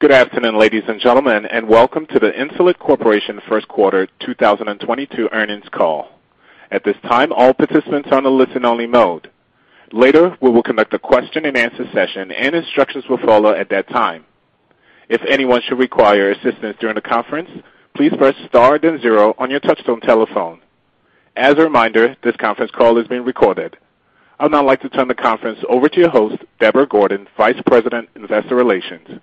Good afternoon, ladies and gentlemen, and welcome to the Insulet Corporation first quarter 2022 earnings call. At this time, all participants are on a listen only mode. Later, we will conduct a question and answer session and instructions will follow at that time. If anyone should require assistance during the conference, please press star then zero on your touch-tone telephone. As a reminder, this conference call is being recorded. I'd now like to turn the conference over to your host, Deborah Gordon, Vice President, Investor Relations. Thank you,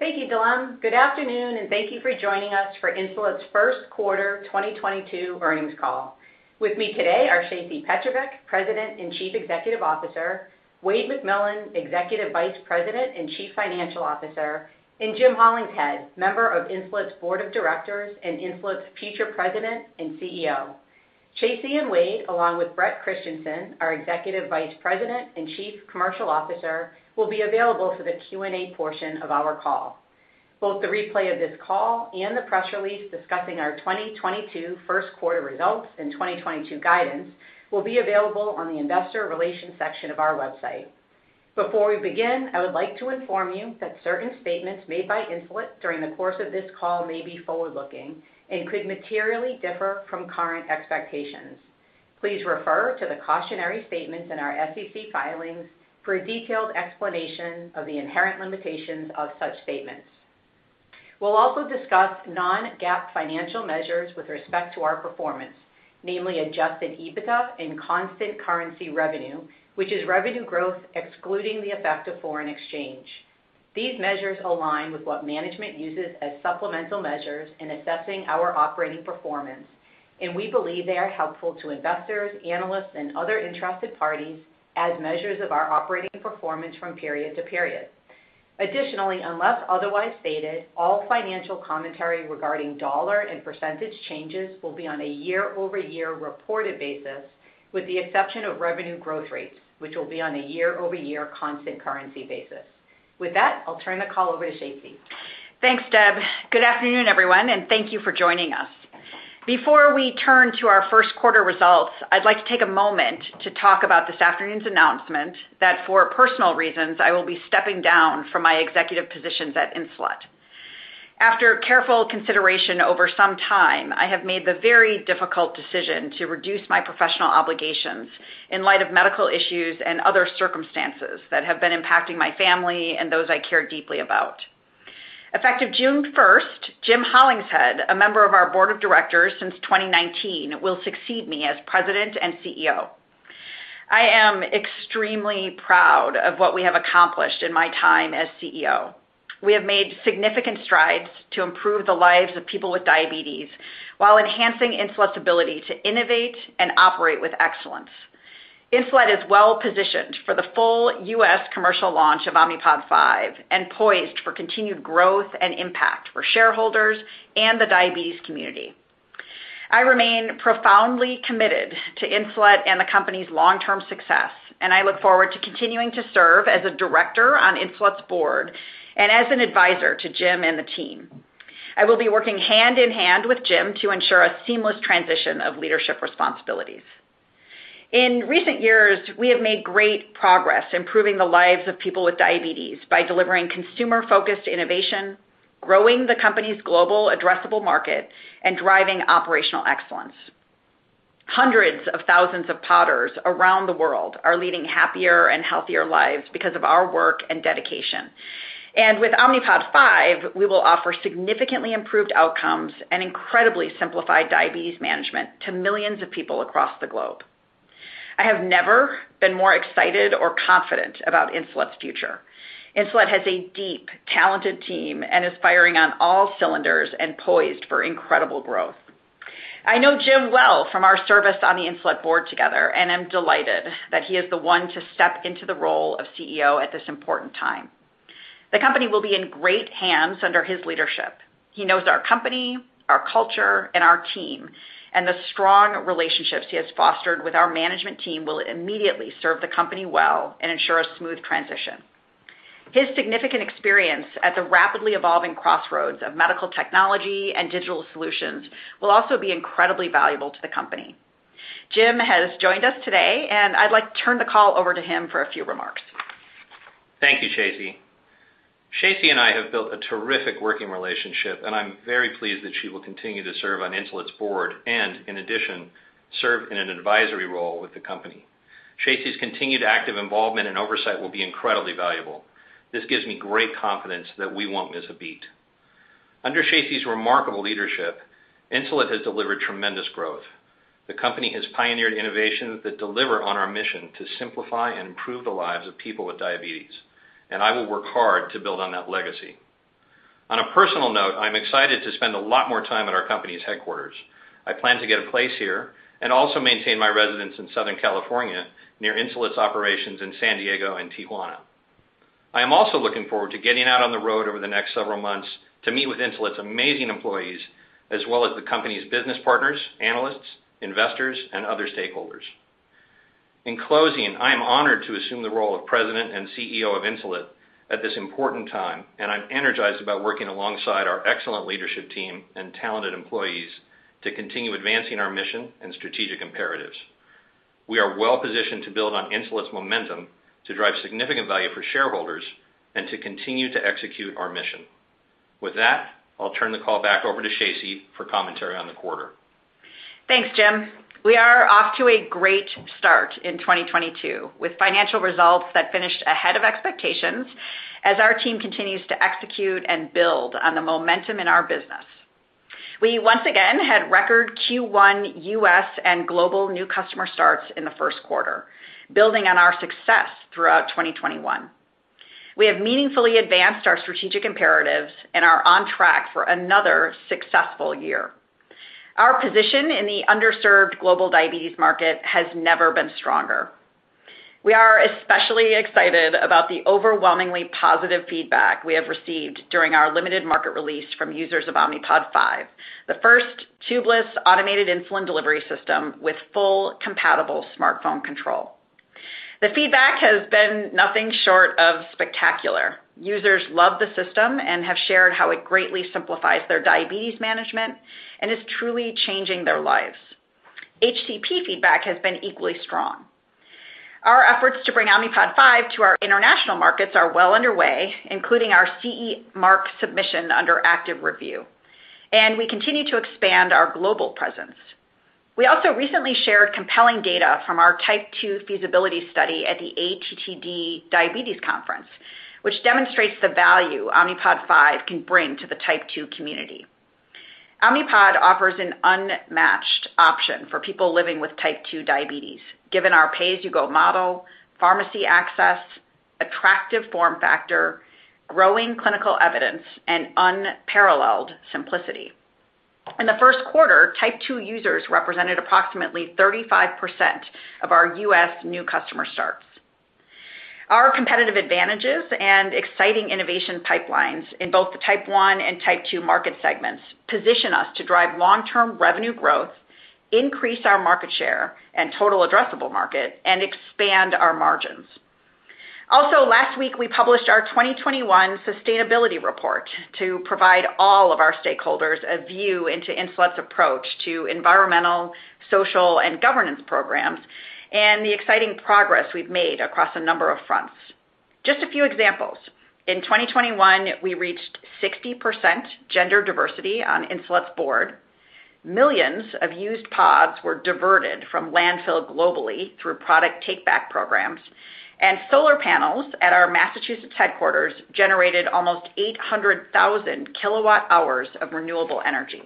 Dylan. Good afternoon, and thank you for joining us for Insulet's first quarter 2022 earnings call. With me today are Shacey Petrovic, President and Chief Executive Officer, Wayde McMillan, Executive Vice President and Chief Financial Officer, and Jim Hollingshead, member of Insulet's Board of Directors and Insulet's future President and CEO. Shacey and Wayde, along with Bret Christensen, our Executive Vice President and Chief Commercial Officer, will be available for the Q&A portion of our call. Both the replay of this call and the press release discussing our 2022 first quarter results and 2022 guidance will be available on the investor relations section of our website. Before we begin, I would like to inform you that certain statements made by Insulet during the course of this call may be forward-looking and could materially differ from current expectations. Please refer to the cautionary statements in our SEC filings for a detailed explanation of the inherent limitations of such statements. We'll also discuss Non-GAAP financial measures with respect to our performance, namely Adjusted EBITDA and constant currency revenue, which is revenue growth excluding the effect of foreign exchange. These measures align with what management uses as supplemental measures in assessing our operating performance, and we believe they are helpful to investors, analysts, and other interested parties as measures of our operating performance from period to period. Additionally, unless otherwise stated, all financial commentary regarding dollar and percentage changes will be on a year-over-year reported basis, with the exception of revenue growth rates, which will be on a year-over-year constant currency basis. With that, I'll turn the call over to Shacey. Thanks, Deb. Good afternoon, everyone, and thank you for joining us. Before we turn to our first quarter results, I'd like to take a moment to talk about this afternoon's announcement that for personal reasons, I will be stepping down from my executive positions at Insulet. After careful consideration over some time, I have made the very difficult decision to reduce my professional obligations in light of medical issues and other circumstances that have been impacting my family and those I care deeply about. Effective June first, Jim Hollingshead, a member of our board of directors since 2019, will succeed me as president and CEO. I am extremely proud of what we have accomplished in my time as CEO. We have made significant strides to improve the lives of people with diabetes while enhancing Insulet's ability to innovate and operate with excellence. Insulet is well-positioned for the full U.S. commercial launch of Omnipod 5 and poised for continued growth and impact for shareholders and the diabetes community. I remain profoundly committed to Insulet and the company's long-term success, and I look forward to continuing to serve as a director on Insulet's board and as an advisor to Jim and the team. I will be working hand in hand with Jim to ensure a seamless transition of leadership responsibilities. In recent years, we have made great progress improving the lives of people with diabetes by delivering consumer-focused innovation, growing the company's global addressable market, and driving operational excellence. Hundreds of thousands of Podders around the world are leading happier and healthier lives because of our work and dedication. With Omnipod 5, we will offer significantly improved outcomes and incredibly simplified diabetes management to millions of people across the globe. I have never been more excited or confident about Insulet's future. Insulet has a deep, talented team and is firing on all cylinders and poised for incredible growth. I know Jim well from our service on the Insulet board together, and I'm delighted that he is the one to step into the role of CEO at this important time. The company will be in great hands under his leadership. He knows our company, our culture, and our team, and the strong relationships he has fostered with our management team will immediately serve the company well and ensure a smooth transition. His significant experience at the rapidly evolving crossroads of medical technology and digital solutions will also be incredibly valuable to the company. Jim has joined us today, and I'd like to turn the call over to him for a few remarks. Thank you, Shacey. Shacey and I have built a terrific working relationship, and I'm very pleased that she will continue to serve on Insulet's board and, in addition, serve in an advisory role with the company. Shacey's continued active involvement and oversight will be incredibly valuable. This gives me great confidence that we won't miss a beat. Under Shacey's remarkable leadership, Insulet has delivered tremendous growth. The company has pioneered innovations that deliver on our mission to simplify and improve the lives of people with diabetes, and I will work hard to build on that legacy. On a personal note, I'm excited to spend a lot more time at our company's headquarters. I plan to get a place here and also maintain my residence in Southern California, near Insulet's operations in San Diego and Tijuana. I am also looking forward to getting out on the road over the next several months to meet with Insulet's amazing employees, as well as the company's business partners, analysts, investors, and other stakeholders. In closing, I am honored to assume the role of President and CEO of Insulet at this important time, and I'm energized about working alongside our excellent leadership team and talented employees to continue advancing our mission and strategic imperatives. We are well positioned to build on Insulet's momentum to drive significant value for shareholders and to continue to execute our mission. With that, I'll turn the call back over to Shacey for commentary on the quarter. Thanks, Jim. We are off to a great start in 2022, with financial results that finished ahead of expectations as our team continues to execute and build on the momentum in our business. We once again had record Q1 U.S and global new customer starts in the first quarter, building on our success throughout 2021. We have meaningfully advanced our strategic imperatives and are on track for another successful year. Our position in the underserved global diabetes market has never been stronger. We are especially excited about the overwhelmingly positive feedback we have received during our limited market release from users of Omnipod 5, the first tubeless automated insulin delivery system with fully compatible smartphone control. The feedback has been nothing short of spectacular. Users love the system and have shared how it greatly simplifies their diabetes management and is truly changing their lives. HCP feedback has been equally strong. Our efforts to bring Omnipod 5 to our international markets are well underway, including our CE mark submission under active review, and we continue to expand our global presence. We also recently shared compelling data from our type 2 feasibility study at the ATTD Diabetes Conference, which demonstrates the value Omnipod 5 can bring to the type 2 community. Omnipod offers an unmatched option for people living with type 2 diabetes, given our pay-as-you-go model, pharmacy access, attractive form factor, growing clinical evidence, and unparalleled simplicity. In the first quarter, type 2 users represented approximately 35% of our U.S. new customer starts. Our competitive advantages and exciting innovation pipelines in both the type 1 and type 2 market segments position us to drive long-term revenue growth, increase our market share and total addressable market, and expand our margins. Last week, we published our 2021 sustainability report to provide all of our stakeholders a view into Insulet's approach to environmental, social, and governance programs, and the exciting progress we've made across a number of fronts. Just a few examples. In 2021, we reached 60% gender diversity on Insulet's board. Millions of used pods were diverted from landfill globally through product take-back programs. Solar panels at our Massachusetts headquarters generated almost 800,000 kWh of renewable energy.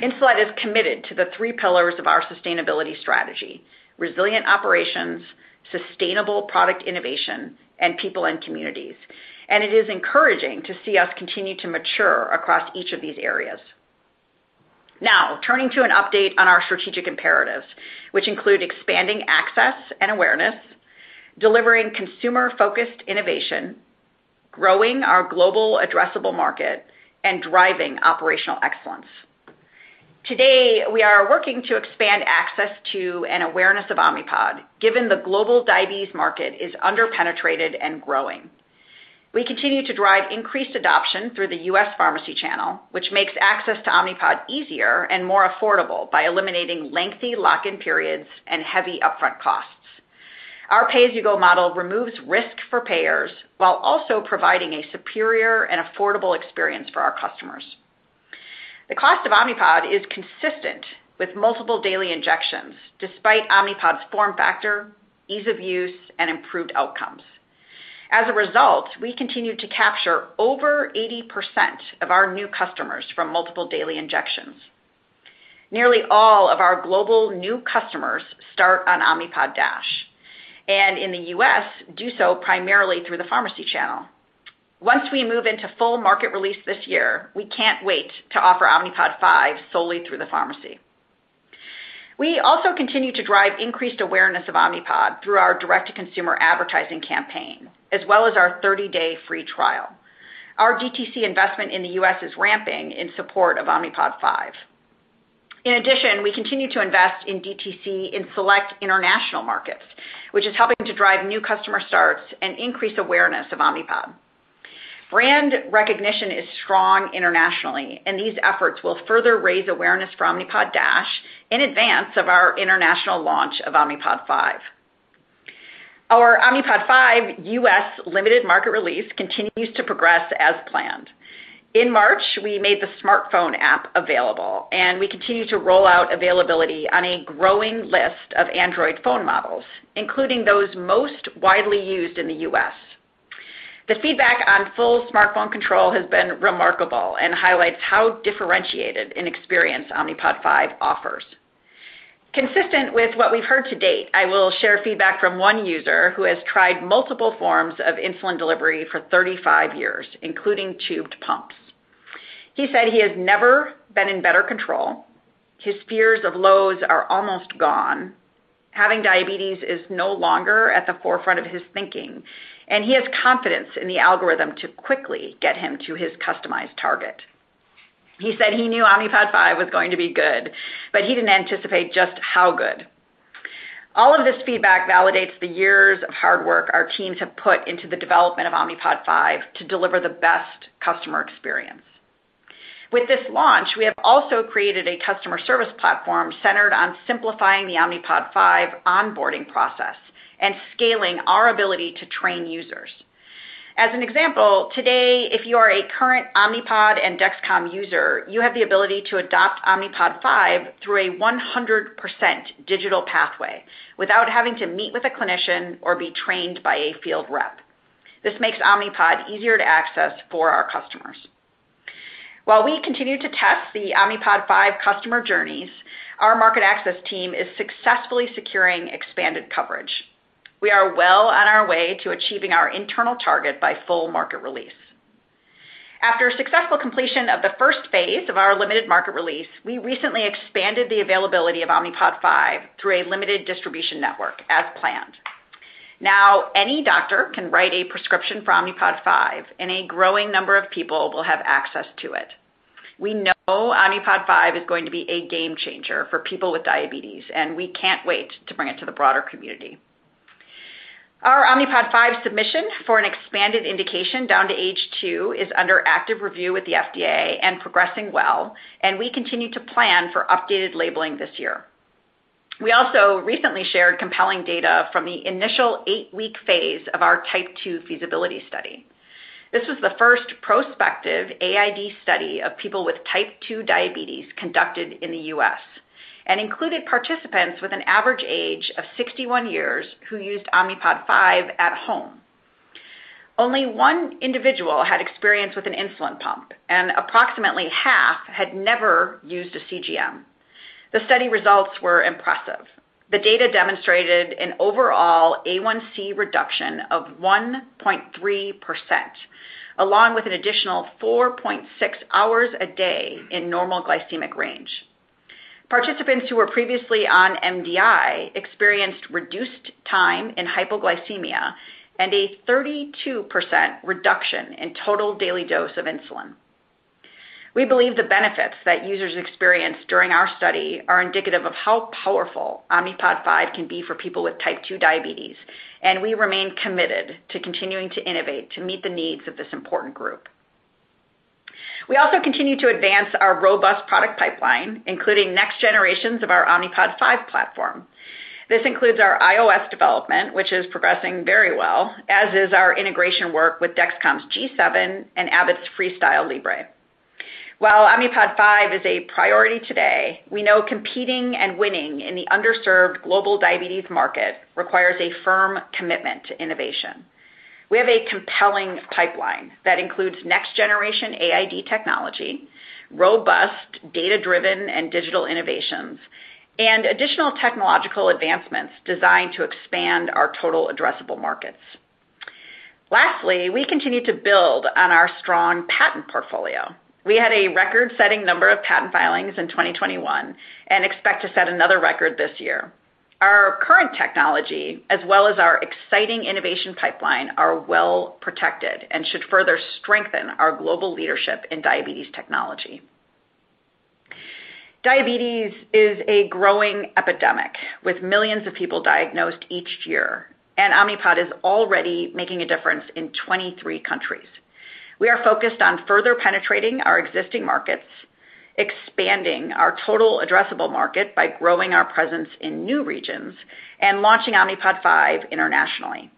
Insulet is committed to the three pillars of our sustainability strategy, resilient operations, sustainable product innovation, and people and communities, and it is encouraging to see us continue to mature across each of these areas. Now, turning to an update on our strategic imperatives, which include expanding access and awareness, delivering consumer-focused innovation, growing our global addressable market, and driving operational excellence. Today, we are working to expand access and awareness of Omnipod, given the global diabetes market is under-penetrated and growing. We continue to drive increased adoption through the U.S. pharmacy channel, which makes access to Omnipod easier and more affordable by eliminating lengthy lock-in periods and heavy upfront costs. Our pay-as-you-go model removes risk for payers while also providing a superior and affordable experience for our customers. The cost of Omnipod is consistent with multiple daily injections despite Omnipod's form factor, ease of use, and improved outcomes. As a result, we continue to capture over 80% of our new customers from multiple daily injections. Nearly all of our global new customers start on Omnipod DASH, and in the U.S., do so primarily through the pharmacy channel. Once we move into full market release this year, we can't wait to offer Omnipod 5 solely through the pharmacy. We also continue to drive increased awareness of Omnipod through our direct-to-consumer advertising campaign, as well as our 30-day free trial. Our DTC investment in the U.S is ramping in support of Omnipod 5. In addition, we continue to invest in DTC in select international markets, which is helping to drive new customer starts and increase awareness of Omnipod. Brand recognition is strong internationally, and these efforts will further raise awareness for Omnipod DASH in advance of our international launch of Omnipod five. Our Omnipod five U.S limited market release continues to progress as planned. In March, we made the smartphone app available, and we continue to roll out availability on a growing list of Android phone models, including those most widely used in the U.S. The feedback on full smartphone control has been remarkable and highlights how differentiated an experience Omnipod 5 offers. Consistent with what we've heard to date, I will share feedback from one user who has tried multiple forms of insulin delivery for 35 years, including tubed pumps. He said he has never been in better control. His fears of lows are almost gone. Having diabetes is no longer at the forefront of his thinking, and he has confidence in the algorithm to quickly get him to his customized target. He said he knew Omnipod 5 was going to be good, but he didn't anticipate just how good. All of this feedback validates the years of hard work our teams have put into the development of Omnipod 5 to deliver the best customer experience. With this launch, we have also created a customer service platform centered on simplifying the Omnipod 5 onboarding process and scaling our ability to train users. As an example, today, if you are a current Omnipod and Dexcom user, you have the ability to adopt Omnipod 5 through a 100% digital pathway without having to meet with a clinician or be trained by a field rep. This makes Omnipod easier to access for our customers. While we continue to test the Omnipod 5 customer journeys, our market access team is successfully securing expanded coverage. We are well on our way to achieving our internal target by full market release. After successful completion of the first phase of our limited market release, we recently expanded the availability of Omnipod 5 through a limited distribution network as planned. Now any doctor can write a prescription for Omnipod 5, and a growing number of people will have access to it. We know Omnipod 5 is going to be a game changer for people with diabetes, and we can't wait to bring it to the broader community. Our Omnipod 5 submission for an expanded indication down to age two is under active review with the FDA and progressing well, and we continue to plan for updated labeling this year. We also recently shared compelling data from the initial eight-week phase of our type 2 feasibility study. This was the first prospective AID study of people with type 2 diabetes conducted in the U.S. and included participants with an average age of 61 years who used Omnipod 5 at home. Only one individual had experience with an insulin pump, and approximately half had never used a CGM. The study results were impressive. The data demonstrated an overall A1C reduction of 1.3%, along with an additional 4.6 hours a day in normal glycemic range. Participants who were previously on MDI experienced reduced time in hypoglycemia and a 32% reduction in total daily dose of insulin. We believe the benefits that users experience during our study are indicative of how powerful Omnipod 5 can be for people with type 2 diabetes, and we remain committed to continuing to innovate to meet the needs of this important group. We also continue to advance our robust product pipeline, including next generations of our Omnipod 5 platform. This includes our iOS development, which is progressing very well, as is our integration work with Dexcom's G7 and Abbott's FreeStyle Libre. While Omnipod 5 is a priority today, we know competing and winning in the underserved global diabetes market requires a firm commitment to innovation. We have a compelling pipeline that includes next generation AID technology, robust data-driven and digital innovations, and additional technological advancements designed to expand our total addressable markets. Lastly, we continue to build on our strong patent portfolio. We had a record-setting number of patent filings in 2021 and expect to set another record this year. Our current technology, as well as our exciting innovation pipeline, are well protected and should further strengthen our global leadership in diabetes technology. Diabetes is a growing epidemic with millions of people diagnosed each year, and Omnipod is already making a difference in 23 countries. We are focused on further penetrating our existing markets, expanding our total addressable market by growing our presence in new regions, and launching Omnipod 5 internationally.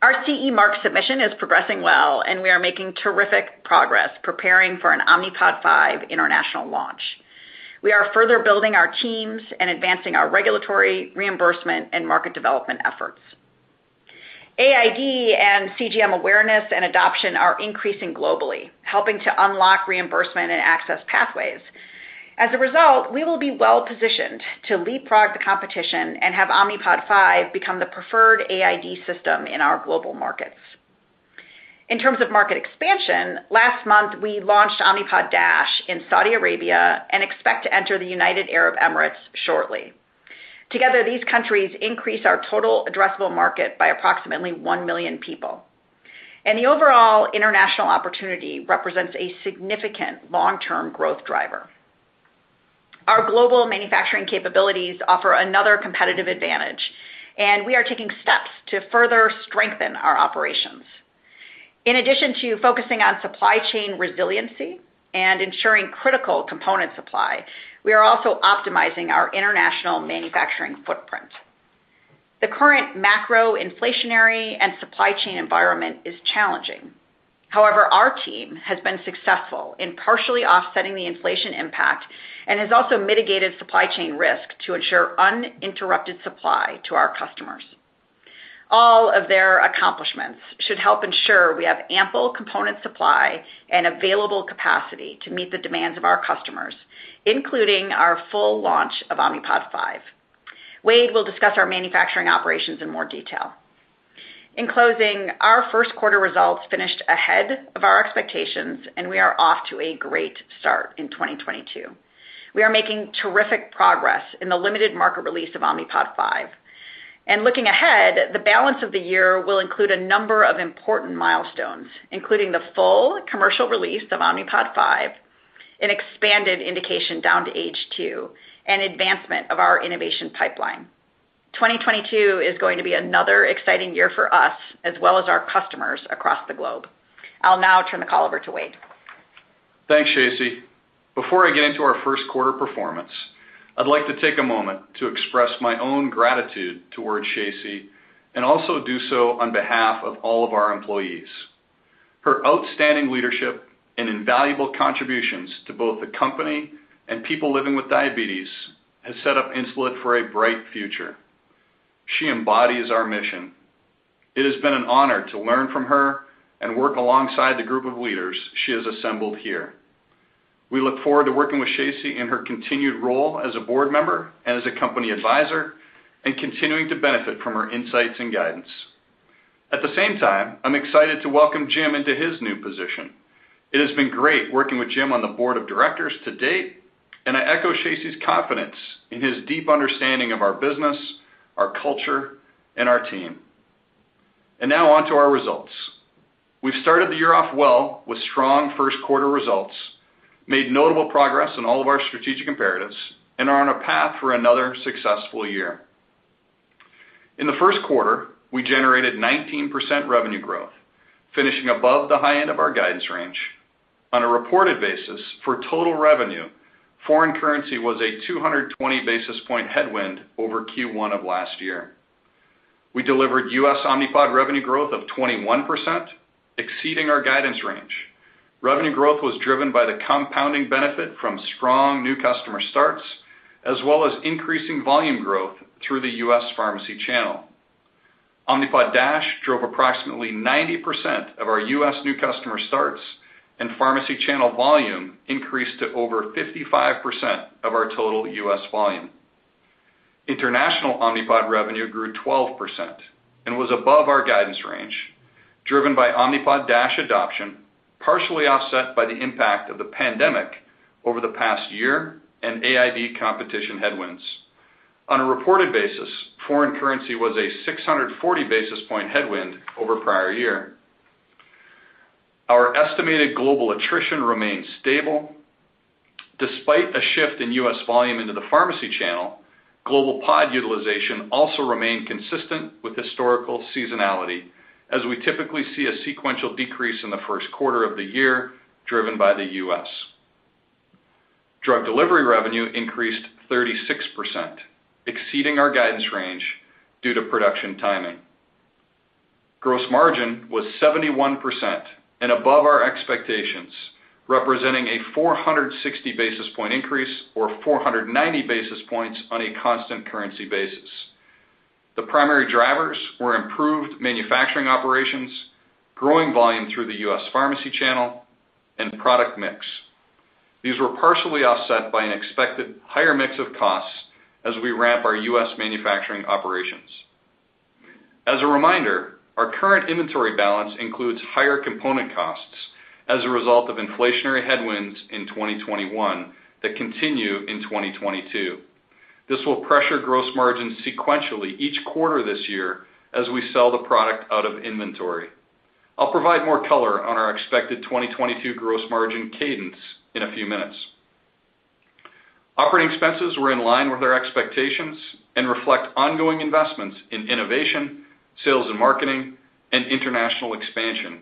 Our CE mark submission is progressing well, and we are making terrific progress preparing for an Omnipod 5 international launch. We are further building our teams and advancing our regulatory reimbursement and market development efforts. AID and CGM awareness and adoption are increasing globally, helping to unlock reimbursement and access pathways. As a result, we will be well-positioned to leapfrog the competition and have Omnipod 5 become the preferred AID system in our global markets. In terms of market expansion, last month we launched Omnipod DASH in Saudi Arabia and expect to enter the United Arab Emirates shortly. Together, these countries increase our total addressable market by approximately one million people, and the overall international opportunity represents a significant long-term growth driver. Our global manufacturing capabilities offer another competitive advantage, and we are taking steps to further strengthen our operations. In addition to focusing on supply chain resiliency and ensuring critical component supply, we are also optimizing our international manufacturing footprint. The current macro inflationary and supply chain environment is challenging. However, our team has been successful in partially offsetting the inflation impact and has also mitigated supply chain risk to ensure uninterrupted supply to our customers. All of their accomplishments should help ensure we have ample component supply and available capacity to meet the demands of our customers, including our full launch of Omnipod 5. Wayde will discuss our manufacturing operations in more detail. In closing, our first quarter results finished ahead of our expectations, and we are off to a great start in 2022. We are making terrific progress in the limited market release of Omnipod 5. Looking ahead, the balance of the year will include a number of important milestones, including the full commercial release of Omnipod 5, an expanded indication down to age two, and advancement of our innovation pipeline. 2022 is going to be another exciting year for us as well as our customers across the globe. I'll now turn the call over to Wayde. Thanks, Shacey. Before I get into our first quarter performance, I'd like to take a moment to express my own gratitude towards Shacey and also do so on behalf of all of our employees. Her outstanding leadership and invaluable contributions to both the company and people living with diabetes has set up Insulet for a bright future. She embodies our mission. It has been an honor to learn from her and work alongside the group of leaders she has assembled here. We look forward to working with Shacey in her continued role as a board member and as a company advisor, and continuing to benefit from her insights and guidance. At the same time, I'm excited to welcome Jim into his new position. It has been great working with Jim on the board of directors to date, and I echo Shacey's confidence in his deep understanding of our business, our culture, and our team. Now on to our results. We've started the year off well with strong first quarter results, made notable progress on all of our strategic imperatives, and are on a path for another successful year. In the first quarter, we generated 19% revenue growth, finishing above the high end of our guidance range. On a reported basis for total revenue, foreign currency was a 220 basis points headwind over Q1 of last year. We delivered U.S. Omnipod revenue growth of 21%, exceeding our guidance range. Revenue growth was driven by the compounding benefit from strong new customer starts, as well as increasing volume growth through the U.S. pharmacy channel. Omnipod DASH drove approximately 90% of our U.S. new customer starts and pharmacy channel volume increased to over 55% of our total U.S. volume. International Omnipod revenue grew 12% and was above our guidance range, driven by Omnipod DASH adoption, partially offset by the impact of the pandemic over the past year and AID competition headwinds. On a reported basis, foreign currency was a 640 basis points headwind over prior year. Our estimated global attrition remains stable despite a shift in U.S. volume into the pharmacy channel. Global pod utilization also remained consistent with historical seasonality as we typically see a sequential decrease in the first quarter of the year, driven by the U.S. Drug delivery revenue increased 36%, exceeding our guidance range due to production timing. Gross margin was 71% and above our expectations, representing a 460 basis point increase or 490 basis points on a constant currency basis. The primary drivers were improved manufacturing operations, growing volume through the U.S pharmacy channel, and product mix. These were partially offset by an expected higher mix of costs as we ramp our U.S manufacturing operations. As a reminder, our current inventory balance includes higher component costs as a result of inflationary headwinds in 2021 that continue in 2022. This will pressure gross margins sequentially each quarter this year as we sell the product out of inventory. I'll provide more color on our expected 2022 gross margin cadence in a few minutes. Operating expenses were in line with our expectations and reflect ongoing investments in innovation, sales and marketing, and international expansion.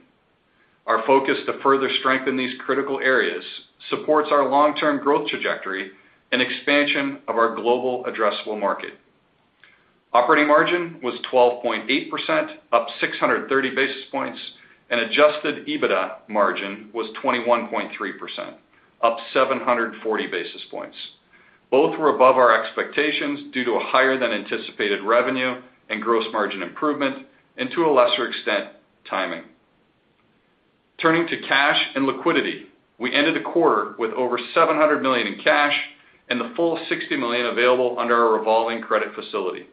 Our focus to further strengthen these critical areas supports our long-term growth trajectory and expansion of our global addressable market. Operating margin was 12.8%, up 630 basis points, and Adjusted EBITDA margin was 21.3%, up 740 basis points. Both were above our expectations due to a higher than anticipated revenue and gross margin improvement and to a lesser extent, timing. Turning to cash and liquidity. We ended the quarter with over $700 million in cash and the full $60 million available under our revolving credit facility.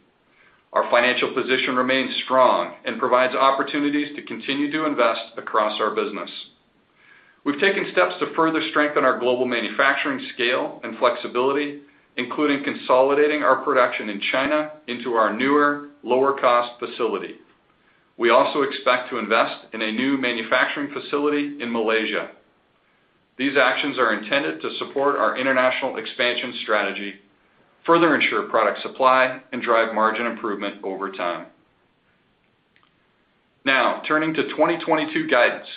Our financial position remains strong and provides opportunities to continue to invest across our business. We've taken steps to further strengthen our global manufacturing scale and flexibility, including consolidating our production in China into our newer, lower cost facility. We also expect to invest in a new manufacturing facility in Malaysia. These actions are intended to support our international expansion strategy, further ensure product supply, and drive margin improvement over time. Now, turning to 2022 guidance.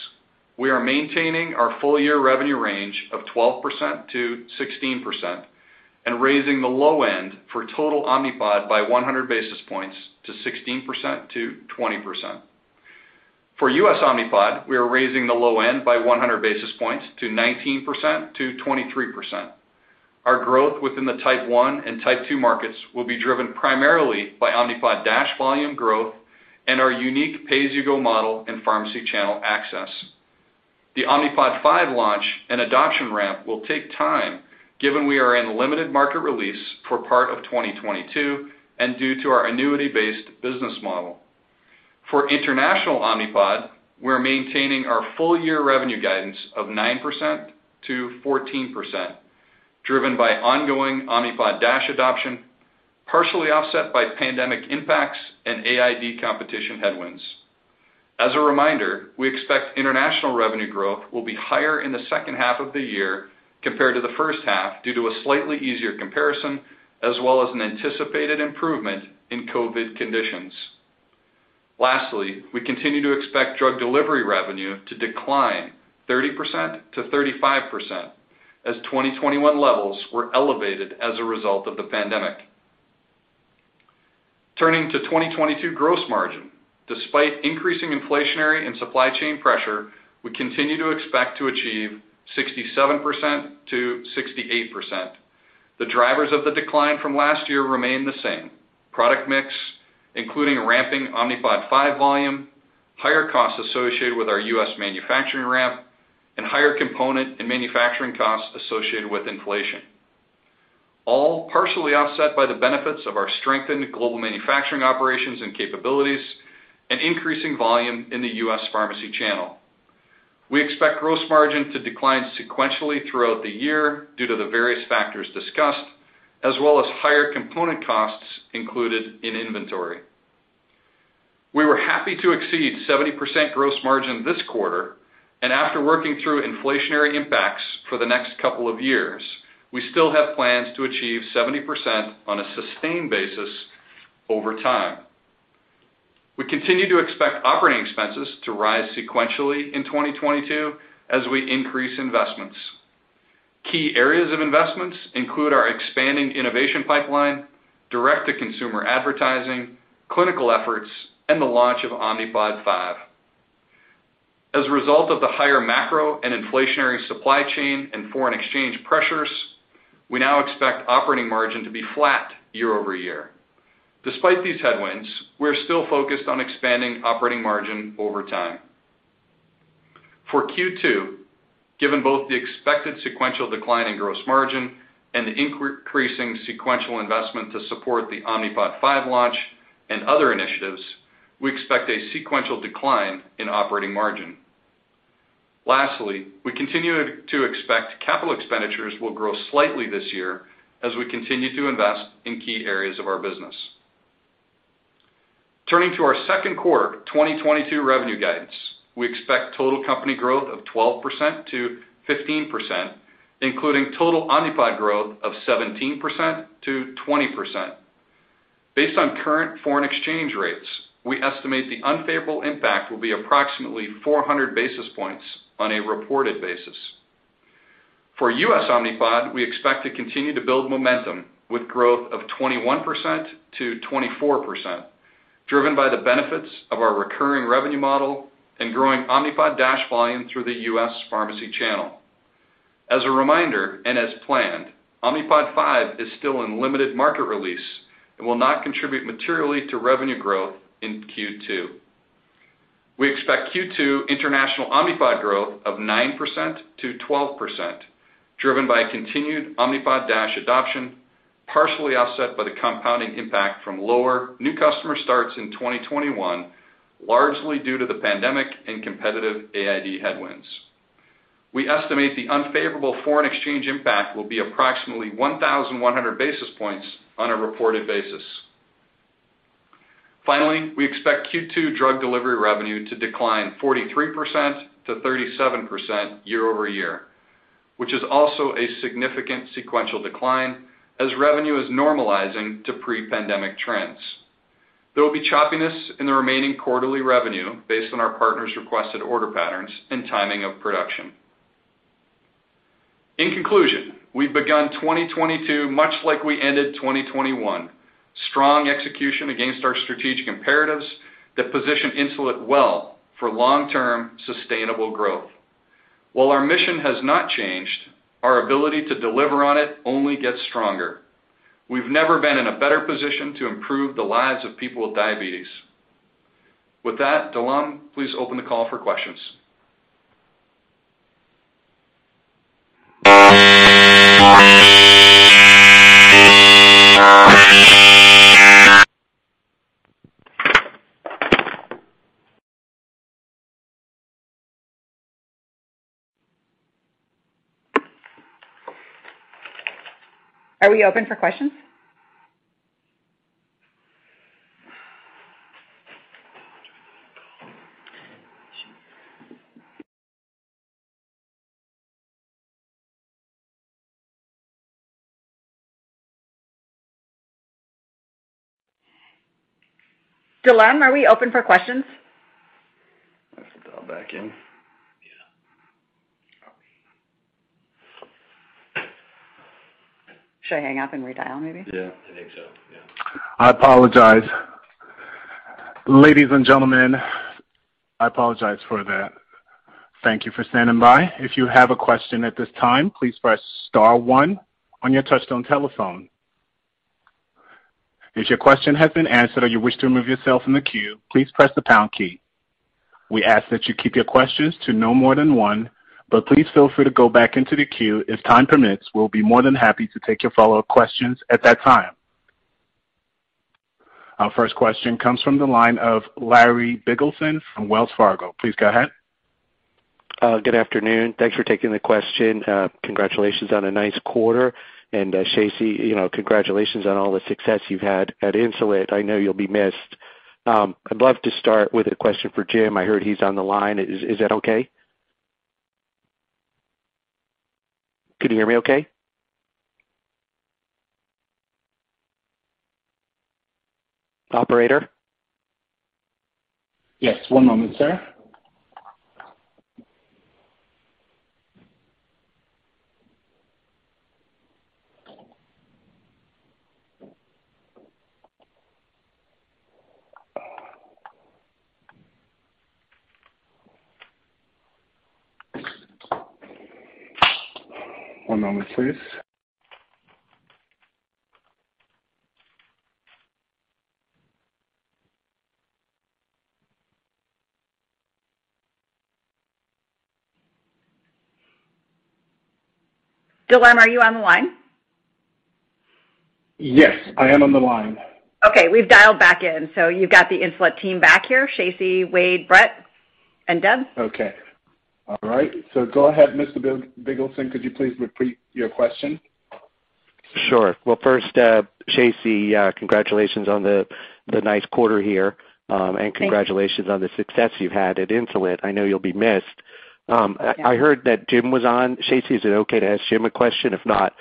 We are maintaining our full year revenue range of 12%-16% and raising the low end for total Omnipod by 100 basis points to 16%-20%. For U.S. Omnipod, we are raising the low end by 100 basis points to 19%-23%. Our growth within the Type 1 and Type 2 markets will be driven primarily by Omnipod DASH volume growth and our unique pay-as-you-go model and pharmacy channel access. The Omnipod 5 launch and adoption ramp will take time given we are in limited market release for part of 2022 and due to our annuity-based business model. For international Omnipod, we're maintaining our full year revenue guidance of 9%-14%, driven by ongoing Omnipod DASH adoption, partially offset by pandemic impacts and AID competition headwinds. As a reminder, we expect international revenue growth will be higher in the second half of the year compared to the first half due to a slightly easier comparison, as well as an anticipated improvement in COVID conditions. Lastly, we continue to expect drug delivery revenue to decline 30%-35% as 2021 levels were elevated as a result of the pandemic. Turning to 2022 gross margin. Despite increasing inflationary and supply chain pressure, we continue to expect to achieve 67%-68%. The drivers of the decline from last year remain the same. Product mix, including ramping Omnipod 5 volume, higher costs associated with our U.S. manufacturing ramp, and higher component and manufacturing costs associated with inflation. All partially offset by the benefits of our strengthened global manufacturing operations and capabilities and increasing volume in the U.S. pharmacy channel. We expect gross margin to decline sequentially throughout the year due to the various factors discussed, as well as higher component costs included in inventory. We were happy to exceed 70% gross margin this quarter, and after working through inflationary impacts for the next couple of years, we still have plans to achieve 70% on a sustained basis over time. We continue to expect operating expenses to rise sequentially in 2022 as we increase investments. Key areas of investments include our expanding innovation pipeline, direct-to-consumer advertising, clinical efforts, and the launch of Omnipod 5. As a result of the higher macro and inflationary supply chain and foreign exchange pressures, we now expect operating margin to be flat year over year. Despite these headwinds, we're still focused on expanding operating margin over time. For Q2, given both the expected sequential decline in gross margin and the increasing sequential investment to support the Omnipod 5 launch and other initiatives, we expect a sequential decline in operating margin. Lastly, we continue to expect capital expenditures will grow slightly this year as we continue to invest in key areas of our business. Turning to our second quarter 2022 revenue guidance. We expect total company growth of 12%-15%, including total Omnipod growth of 17%-20%. Based on current foreign exchange rates, we estimate the unfavorable impact will be approximately 400 basis points on a reported basis. For U.S. Omnipod, we expect to continue to build momentum with growth of 21%-24%, driven by the benefits of our recurring revenue model and growing Omnipod DASH volume through the U.S. pharmacy channel. As a reminder, and as planned, Omnipod 5 is still in limited market release and will not contribute materially to revenue growth in Q2. We expect Q2 international Omnipod growth of 9%-12%, driven by continued Omnipod DASH adoption, partially offset by the compounding impact from lower new customer starts in 2021, largely due to the pandemic and competitive AID headwinds. We estimate the unfavorable foreign exchange impact will be approximately 1,100 basis points on a reported basis. Finally, we expect Q2 drug delivery revenue to decline 43%-37% year-over-year, which is also a significant sequential decline as revenue is normalizing to pre-pandemic trends. There will be choppiness in the remaining quarterly revenue based on our partners' requested order patterns and timing of production. In conclusion, we've begun 2022 much like we ended 2021. Strong execution against our strategic imperatives that position Insulet well for long-term sustainable growth. While our mission has not changed, our ability to deliver on it only gets stronger. We've never been in a better position to improve the lives of people with diabetes. With that, Dylan, please open the call for questions. I apologize. Ladies and gentlemen, I apologize for that. Thank you for standing by. If you have a question at this time, please press star one on your touchtone telephone. If your question has been answered or you wish to remove yourself from the queue, please press the pound key. We ask that you keep your questions to no more than one, but please feel free to go back into the queue if time permits. We'll be more than happy to take your follow-up questions at that time. Our first question comes from the line of Lawrence Biegelsen from Wells Fargo. Please go ahead. Good afternoon. Thanks for taking the question. Congratulations on a nice quarter. Shacey, you know, congratulations on all the success you've had at Insulet. I know you'll be missed. I'd love to start with a question for Jim. I heard he's on the line. Is that okay? Can you hear me okay? Operator? Yes. One moment, sir. One moment, please. Dylan, are you on the line? Yes, I am on the line. Okay, we've dialed back in. You've got the Insulet team back here, Shacey, Wayde, Bret, and Deb. Okay. All right. Go ahead, Mr. Biegelsen. Could you please repeat your question? Sure. Well, first, Shacey, congratulations on the nice quarter here, and Thank you. Congratulations on the success you've had at Insulet. I know you'll be missed. I heard that Jim was on. Shacey, is it okay to ask Jim a question? If not,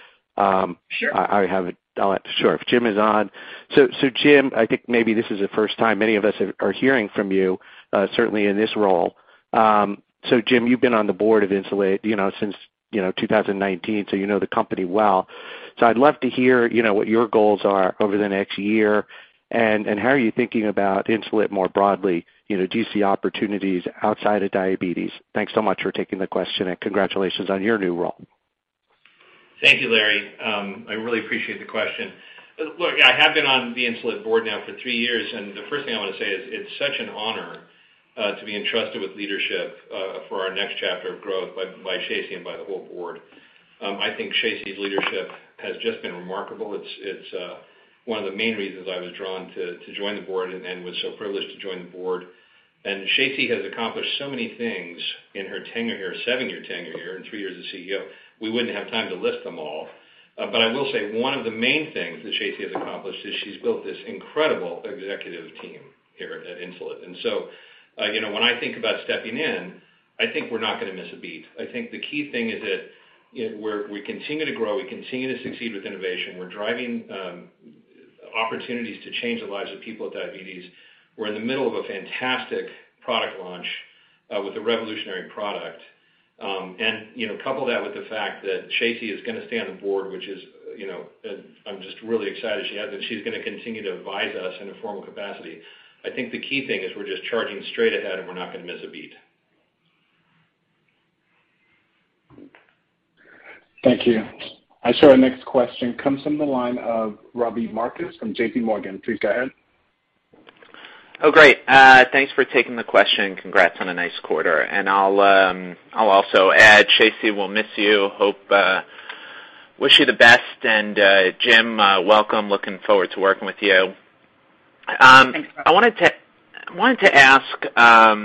Sure. If Jim is on. Jim, I think maybe this is the first time many of us are hearing from you, certainly in this role. Jim, you've been on the board of Insulet, you know, since, you know, 2019, so you know the company well. I'd love to hear, you know, what your goals are over the next year and how are you thinking about Insulet more broadly. You know, do you see opportunities outside of diabetes? Thanks so much for taking the question, and congratulations on your new role. Thank you, Larry. I really appreciate the question. Look, I have been on the Insulet board now for three years, and the first thing I want to say is it's such an honor to be entrusted with leadership for our next chapter of growth by Shacey and by the whole board. I think Shacey's leadership has just been remarkable. It's one of the main reasons I was drawn to join the board and was so privileged to join the board. Shacey has accomplished so many things in her tenure here, seven-year tenure here and three years as CEO. We wouldn't have time to list them all. But I will say one of the main things that Shacey has accomplished is she's built this incredible executive team here at Insulet. You know, when I think about stepping in, I think we're not going to miss a beat. I think the key thing is that we continue to grow, we continue to succeed with innovation. We're driving opportunities to change the lives of people with diabetes. We're in the middle of a fantastic product launch with a revolutionary product. You know, couple that with the fact that Shacey is going to stay on the board, which is, you know, I'm just really excited she has, and she's going to continue to advise us in a formal capacity. I think the key thing is we're just charging straight ahead, and we're not going to miss a beat. Thank you. I show our next question comes from the line of Robbie Marcus from JPMorgan. Please go ahead. Oh, great. Thanks for taking the question. Congrats on a nice quarter. I'll also add Shacey, we'll miss you. Wish you the best. Jim, welcome. Looking forward to working with you. Thanks, Robbie. I wanted to ask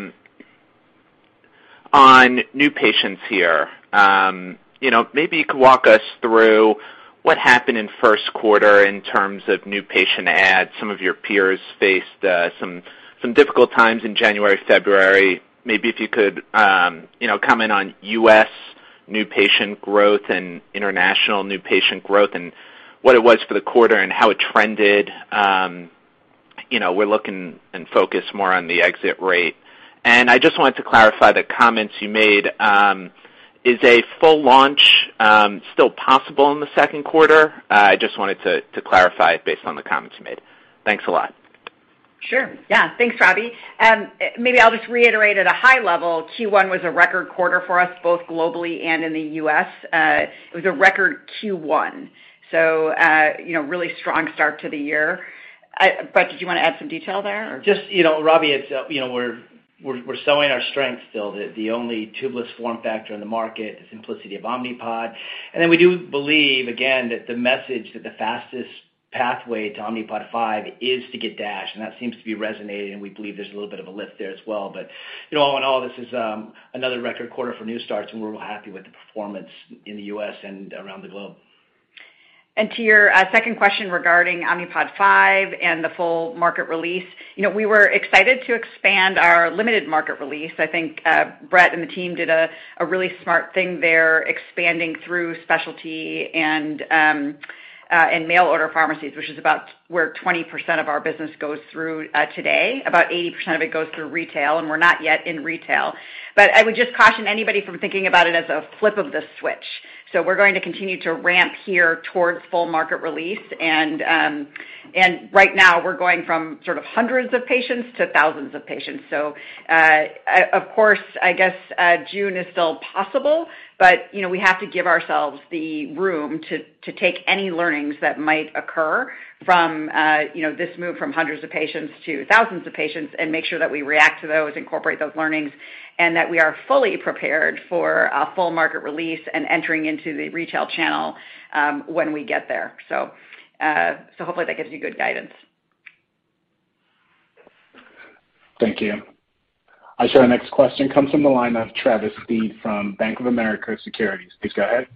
on new patients here. You know, maybe you could walk us through what happened in first quarter in terms of new patient adds. Some of your peers faced some difficult times in January, February. Maybe if you could, you know, comment on U.S. new patient growth and international new patient growth and what it was for the quarter and how it trended. You know, we're looking and focused more on the exit rate. I just wanted to clarify the comments you made. Is a full launch still possible in the second quarter? I just wanted to clarify based on the comments you made. Thanks a lot. Sure. Yeah. Thanks, Robbie. Maybe I'll just reiterate at a high level, Q1 was a record quarter for us, both globally and in the U.S. It was a record Q1, so, you know, really strong start to the year. Brett, did you want to add some detail there or? Just, you know, Robbie, it's, you know, we're showing our strength still. The only tubeless form factor in the market, the simplicity of Omnipod. Then we do believe, again, that the message that the fastest pathway to Omnipod 5 is to get DASH, and that seems to be resonating, and we believe there's a little bit of a lift there as well. You know, all in all, this is another record quarter for new starts, and we're happy with the performance in the U.S. and around the globe. To your second question regarding Omnipod 5 and the full market release, you know, we were excited to expand our limited market release. I think, Bret and the team did a really smart thing there, expanding through specialty and mail order pharmacies, which is about where 20% of our business goes through today. About 80% of it goes through retail, and we're not yet in retail. I would just caution anybody from thinking about it as a flip of the switch. We're going to continue to ramp here towards full market release. Right now we're going from sort of hundreds of patients to thousands of patients. Of course, I guess, June is still possible, but, you know, we have to give ourselves the room to take any learnings that might occur from, you know, this move from hundreds of patients to thousands of patients and make sure that we react to those, incorporate those learnings, and that we are fully prepared for a full market release and entering into the retail channel, when we get there. Hopefully that gives you good guidance. Thank you. I show our next question comes from the line of Travis Steed from Bank of America Securities. Please go ahead.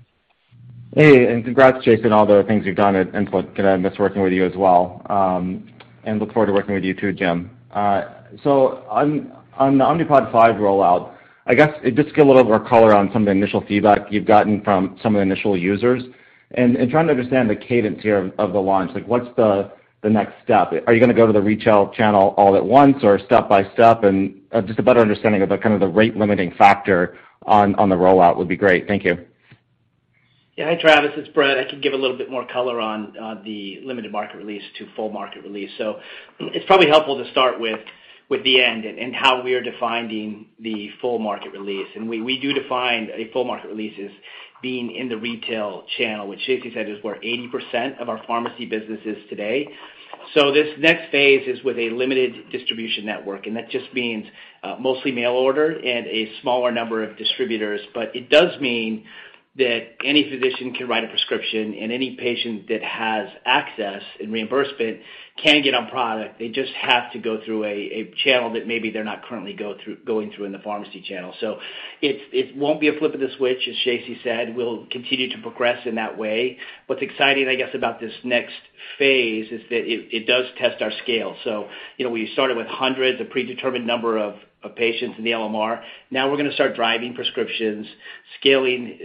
Hey, congrats, Shacey, on all the things you've done at Insulet. Gonna miss working with you as well, and look forward to working with you too, Jim. On the Omnipod 5 rollout, I guess, just get a little more color on some of the initial feedback you've gotten from some of the initial users. Trying to understand the cadence here of the launch. Like, what's the next step? Are you gonna go to the retail channel all at once or step-by-step? Just a better understanding of the kind of the rate limiting factor on the rollout would be great. Thank you. Yeah. Hi, Travis. It's Bret. I can give a little bit more color on, the limited market release to full market release. It's probably helpful to start with the end and how we are defining the full market release. We do define a full market release as being in the retail channel, which Shacey said is where 80% of our pharmacy business is today. This next phase is with a limited distribution network, and that just means, mostly mail order and a smaller number of distributors. It does mean that any physician can write a prescription and any patient that has access and reimbursement can get on product. They just have to go through a channel that maybe they're not currently going through in the pharmacy channel. It won't be a flip of the switch, as Shacey said. We'll continue to progress in that way. What's exciting, I guess, about this next phase is that it does test our scale. You know, we started with hundreds, a predetermined number of patients in the LMR. Now we're gonna start driving prescriptions, scaling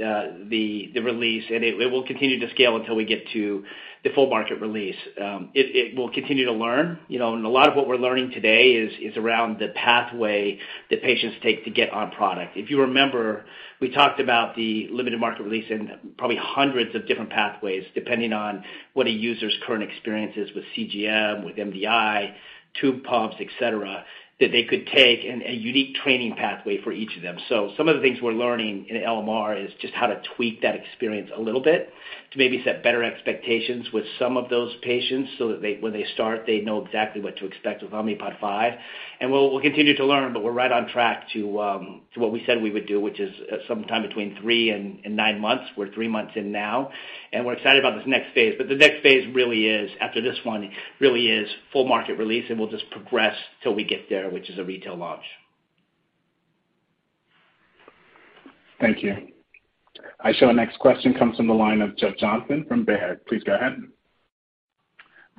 the release, and it will continue to scale until we get to the full market release. It will continue to learn, you know. A lot of what we're learning today is around the pathway that patients take to get on product. If you remember, we talked about the limited market release in probably hundreds of different pathways, depending on what a user's current experience is with CGM, with MDI, tube pumps, et cetera, that they could take, and a unique training pathway for each of them. Some of the things we're learning in LMR is just how to tweak that experience a little bit to maybe set better expectations with some of those patients so that they, when they start, they know exactly what to expect with Omnipod 5. We'll continue to learn, but we're right on track to what we said we would do, which is sometime between three and nine months. We're three months in now, and we're excited about this next phase. The next phase really is, after this one, really is full market release, and we'll just progress till we get there, which is a retail launch. Thank you. Our next question comes from the line of Jeff Johnson from Baird. Please go ahead.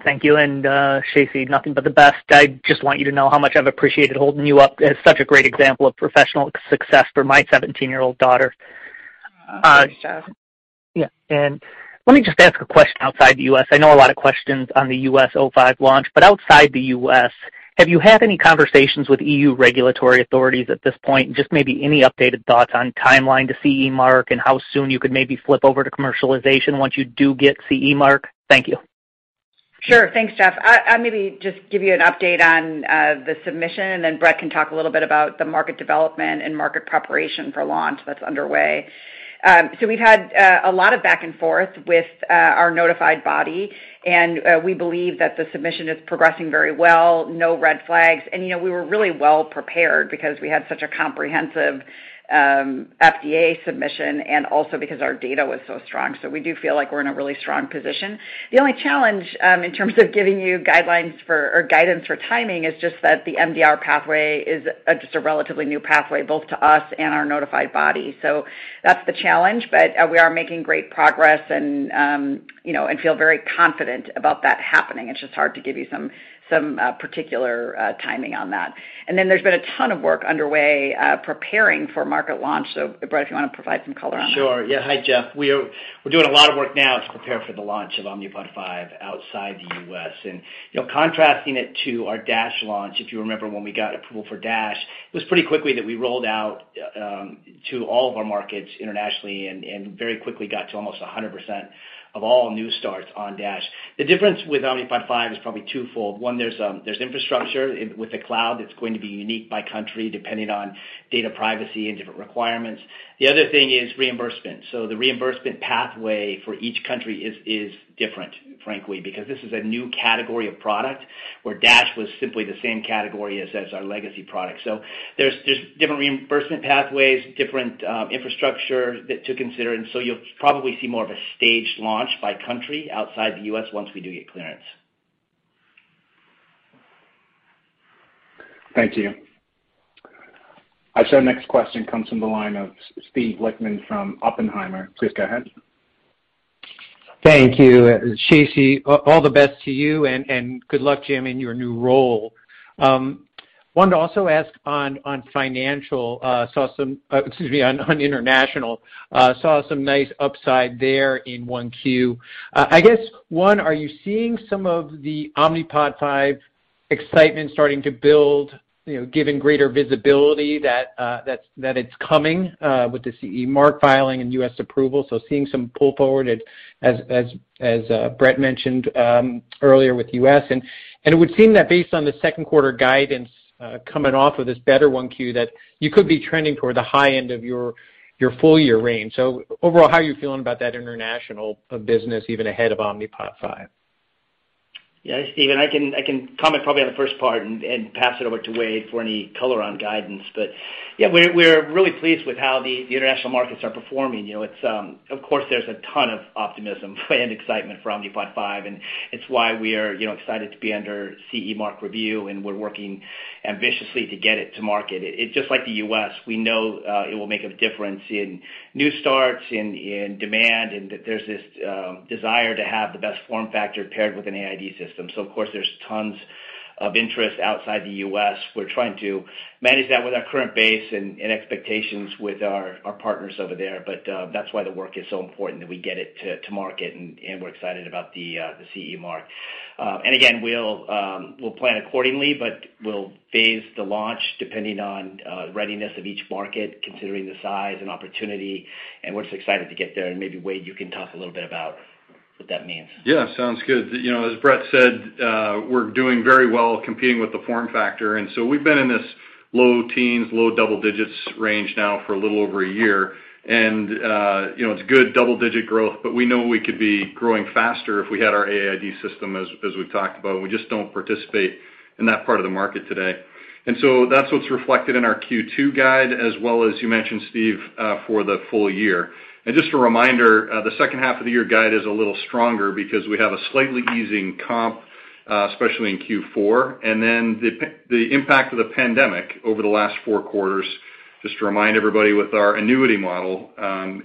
Thank you. Shacey, nothing but the best. I just want you to know how much I've appreciated holding you up as such a great example of professional success for my 17-year-old daughter. Thanks, Jeff. Yeah. Let me just ask a question outside the U.S. I know a lot of questions on the U.S. Omnipod 5 launch. Outside the U.S., have you had any conversations with EU regulatory authorities at this point? Just maybe any updated thoughts on timeline to CE mark and how soon you could maybe flip over to commercialization once you do get CE mark? Thank you. Sure. Thanks, Jeff. I maybe just give you an update on the submission, and then Bret can talk a little bit about the market development and market preparation for launch that's underway. We've had a lot of back and forth with our notified body, and we believe that the submission is progressing very well. No red flags. You know, we were really well prepared because we had such a comprehensive FDA submission and also because our data was so strong. We do feel like we're in a really strong position. The only challenge in terms of giving you guidelines for or guidance for timing is just that the MDR pathway is just a relatively new pathway, both to us and our notified body. That's the challenge, but we are making great progress and, you know, and feel very confident about that happening. It's just hard to give you some particular timing on that. Then there's been a ton of work underway preparing for market launch. Bret, if you wanna provide some color on that. Sure. Yeah. Hi, Jeff. We're doing a lot of work now to prepare for the launch of Omnipod 5 outside the U.S. You know, contrasting it to our Dash launch, if you remember when we got approval for Dash, it was pretty quickly that we rolled out to all of our markets internationally and very quickly got to almost 100% of all new starts on Dash. The difference with Omnipod 5 is probably twofold. One, there's infrastructure with the cloud that's going to be unique by country, depending on data privacy and different requirements. The other thing is reimbursement. The reimbursement pathway for each country is different, frankly, because this is a new category of product where Dash was simply the same category as our legacy product. There's different reimbursement pathways, different infrastructure to consider. You'll probably see more of a staged launch by country outside the U.S. once we do get clearance. Thank you. Our next question comes from the line of Steven Lichtman from Oppenheimer. Please go ahead. Thank you. Shacey, all the best to you, and good luck, Jim, in your new role. Wanted to also ask on international. Saw some nice upside there in 1Q. I guess, are you seeing some of the Omnipod 5 excitement starting to build, you know, given greater visibility that that it's coming with the CE mark filing and U.S. approval? Seeing some pull forward as Bret mentioned earlier with U.S. It would seem that based on the second quarter guidance coming off of this better 1Q, that you could be trending toward the high end of your full year range. Overall, how are you feeling about that international business even ahead of Omnipod 5? Yeah, Steven, I can comment probably on the first part and pass it over to Wade for any color on guidance. Yeah, we're really pleased with how the international markets are performing. You know, it's. Of course, there's a ton of optimism and excitement for Omnipod 5, and it's why we are, you know, excited to be under CE mark review, and we're working ambitiously to get it to market. It's just like the U.S. We know, it will make a difference in new starts, in demand, and that there's this desire to have the best form factor paired with an AID system. Of course, there's tons of interest outside the U.S. We're trying to manage that with our current base and expectations with our partners over there. That's why the work is so important that we get it to market, and we're excited about the CE mark. Again, we'll plan accordingly, but we'll phase the launch depending on readiness of each market, considering the size and opportunity, and we're just excited to get there. Maybe, Wade, you can talk a little bit about what that means. Yeah. Sounds good. You know, as Bret said, we're doing very well competing with the form factor, and so we've been in this low teens, low double digits range now for a little over a year. You know, it's good double-digit growth, but we know we could be growing faster if we had our AID system as we've talked about. We just don't participate in that part of the market today. So that's what's reflected in our Q2 guide as well as you mentioned, Steven, for the full year. Just a reminder, the second half of the year guide is a little stronger because we have a slightly easing comp, especially in Q4. Then the impact of the pandemic over the last four quarters, just to remind everybody with our annuity model,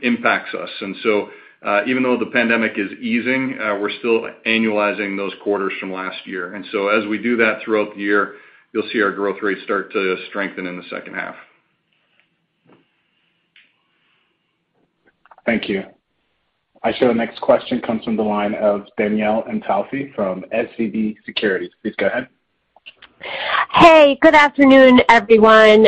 impacts us. Even though the pandemic is easing, we're still annualizing those quarters from last year. As we do that throughout the year, you'll see our growth rate start to strengthen in the second half. Thank you. Our next question comes from the line of Danielle Antalffy from SVB Securities. Please go ahead. Hey. Good afternoon, everyone.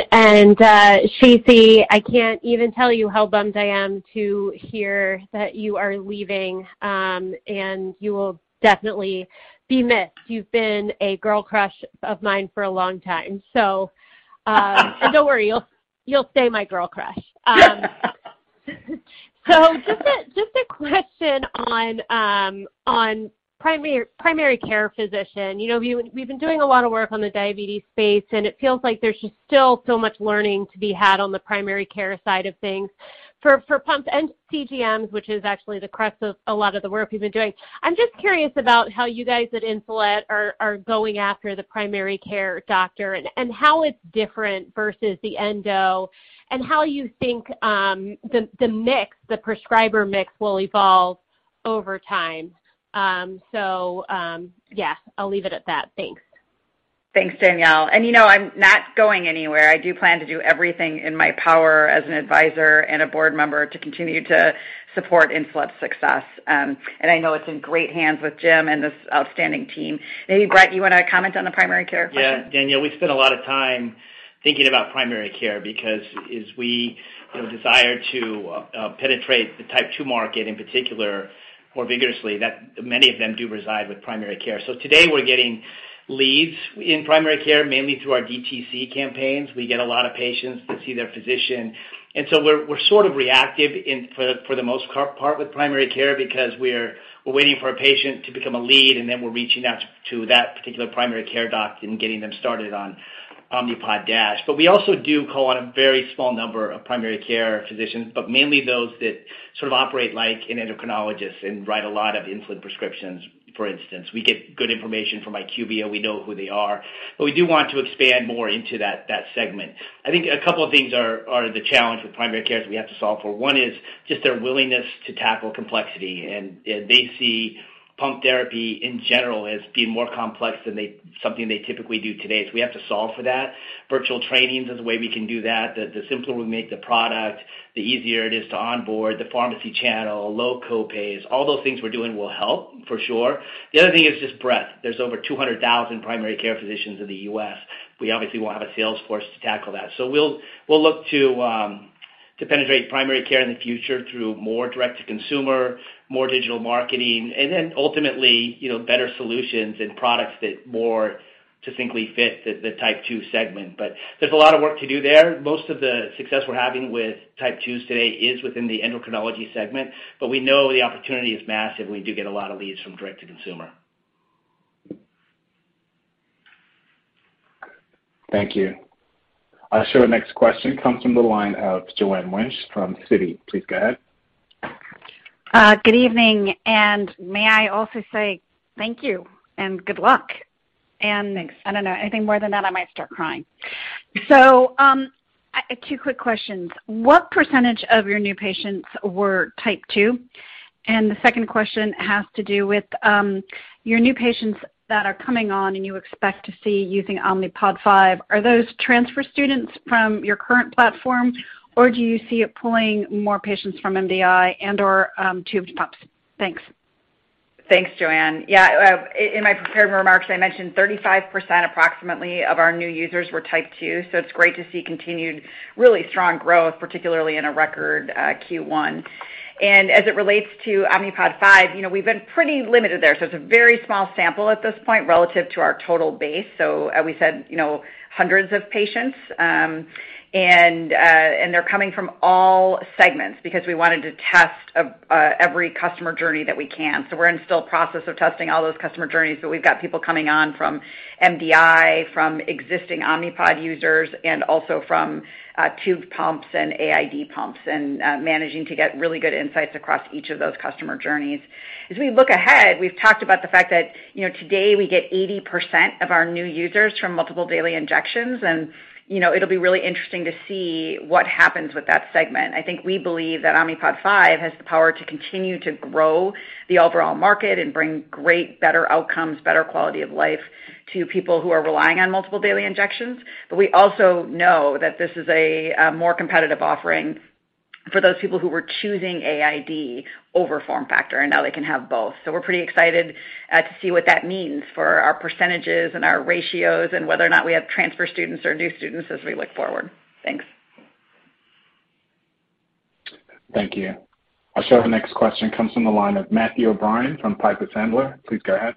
Shacey, I can't even tell you how bummed I am to hear that you are leaving, and you will definitely be missed. You've been a girl crush of mine for a long time. Don't worry, you'll stay my girl crush. Just a question on primary care physician. You know, we've been doing a lot of work on the diabetes space, and it feels like there's just still so much learning to be had on the primary care side of things for pumps and CGMs, which is actually the crux of a lot of the work we've been doing. I'm just curious about how you guys at Insulet are going after the primary care doctor and how it's different versus the endo and how you think the mix, the prescriber mix will evolve over time. Yeah, I'll leave it at that. Thanks. Thanks, Danielle. You know I'm not going anywhere. I do plan to do everything in my power as an advisor and a board member to continue to support Insulet's success. I know it's in great hands with Jim and this outstanding team. Maybe, Bret, you wanna comment on the primary care question? Yeah. Danielle, we spend a lot of time thinking about primary care because as we, you know, desire to penetrate the type 2 market, in particular, more vigorously, that many of them do reside with primary care. Today, we're getting leads in primary care, mainly through our DTC campaigns. We get a lot of patients to see their physician, and so we're sort of reactive for the most part with primary care because we're waiting for a patient to become a lead, and then we're reaching out to that particular primary care doc and getting them started on Omnipod DASH. But we also do call on a very small number of primary care physicians, but mainly those that sort of operate like an endocrinologist and write a lot of insulin prescriptions, for instance. We get good information from IQVIA. We know who they are. We do want to expand more into that segment. I think a couple of things are the challenge with primary care that we have to solve for. One is just their willingness to tackle complexity, and they see pump therapy in general as being more complex than something they typically do today. We have to solve for that. Virtual trainings is a way we can do that. The simpler we make the product, the easier it is to onboard. The pharmacy channel, low copays, all those things we're doing will help for sure. The other thing is just breadth. There's over 200,000 primary care physicians in the U.S. We obviously won't have a sales force to tackle that. We'll look to penetrate primary care in the future through more direct-to-consumer, more digital marketing, and then ultimately, you know, better solutions and products that more distinctly fit the type 2 segment. There's a lot of work to do there. Most of the success we're having with type 2s today is within the endocrinology segment. We know the opportunity is massive, and we do get a lot of leads from direct-to-consumer. Thank you. I show the next question comes from the line of Joanne Wuensch from Citi. Please go ahead. Good evening, and may I also say thank you and good luck. Thanks. I don't know. Anything more than that, I might start crying. Two quick questions. What percentage of your new patients were type 2? The second question has to do with your new patients that are coming on and you expect to see using Omnipod 5, are those transfer students from your current platform, or do you see it pulling more patients from MDI and/or tubed pumps? Thanks. Thanks, Joanne. Yeah, in my prepared remarks, I mentioned 35% approximately of our new users were type 2, so it's great to see continued really strong growth, particularly in a record Q1. As it relates to Omnipod 5, you know, we've been pretty limited there, so it's a very small sample at this point relative to our total base. As we said, you know, hundreds of patients. And they're coming from all segments because we wanted to test every customer journey that we can. So we're still in process of testing all those customer journeys, but we've got people coming on from MDI, from existing Omnipod users, and also from tube pumps and AID pumps and managing to get really good insights across each of those customer journeys. As we look ahead, we've talked about the fact that, you know, today we get 80% of our new users from multiple daily injections. You know, it'll be really interesting to see what happens with that segment. I think we believe that Omnipod 5 has the power to continue to grow the overall market and bring great better outcomes, better quality of life to people who are relying on multiple daily injections. We also know that this is a more competitive offering for those people who were choosing AID over form factor, and now they can have both. We're pretty excited to see what that means for our percentages and our ratios and whether or not we have transfer students or new students as we look forward. Thanks. Thank you. I show the next question comes from the line of Matthew O'Brien from Piper Sandler. Please go ahead.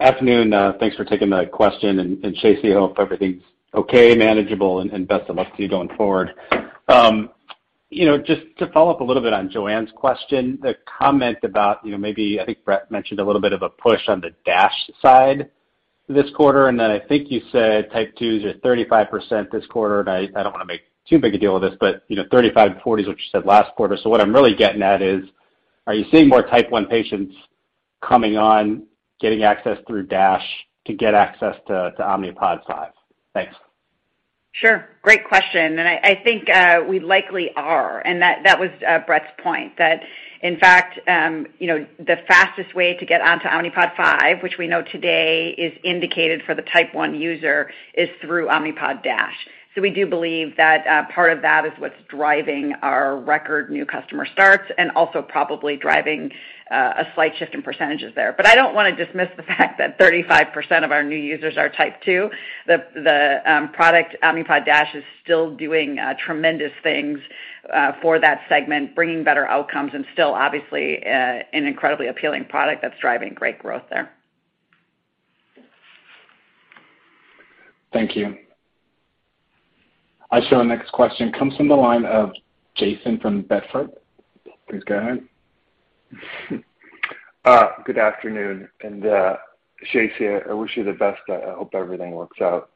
Afternoon. Thanks for taking the question. Shacey, I hope everything's okay, manageable, and best of luck to you going forward. You know, just to follow up a little bit on Joanne's question, the comment about, you know, maybe I think Bret mentioned a little bit of a push on the DASH side this quarter, and then I think you said Type 2s are 35% this quarter. I don't wanna make too big a deal with this, but, you know, 35%-40% is what you said last quarter. What I'm really getting at is, are you seeing more Type 1 patients coming on, getting access through DASH to get access to Omnipod 5? Thanks. Sure. Great question. I think we likely are. That was Brett's point that in fact, you know, the fastest way to get onto Omnipod 5, which we know today is indicated for the Type 1 user, is through Omnipod DASH. We do believe that part of that is what's driving our record new customer starts and also probably driving a slight shift in percentages there. But I don't wanna dismiss the fact that 35% of our new users are Type 2. The product Omnipod DASH is still doing tremendous things for that segment, bringing better outcomes and still obviously an incredibly appealing product that's driving great growth there. Thank you. Our next question comes from the line of Jayson Bedford. Please go ahead. Good afternoon. Shacey, I wish you the best. I hope everything works out.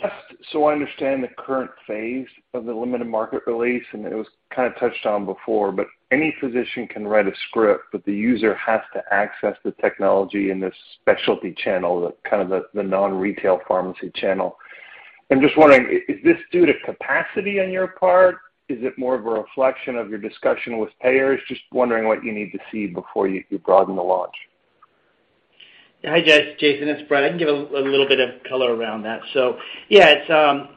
Just so I understand the current phase of the limited market release, and it was kind of touched on before, but any physician can write a script, but the user has to access the technology in this specialty channel, the kind of the non-retail pharmacy channel. I'm just wondering, is this due to capacity on your part? Is it more of a reflection of your discussion with payers? Just wondering what you need to see before you broaden the launch. Hi, Jason. It's Brett. I can give a little bit of color around that. Yeah, it's